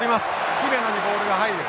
姫野にボールが入る。